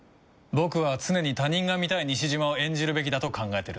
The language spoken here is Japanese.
僕は常に他人が見たい西島を演じるべきだと考えてるんだ。